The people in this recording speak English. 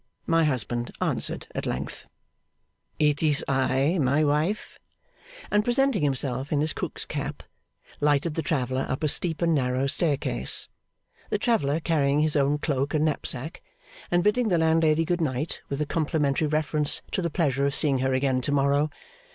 My husband answered at length, 'It is I, my wife!' and presenting himself in his cook's cap, lighted the traveller up a steep and narrow staircase; the traveller carrying his own cloak and knapsack, and bidding the landlady good night with a complimentary reference to the pleasure of seeing her again to morrow.